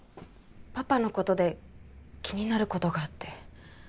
パパの事で気になる事があって。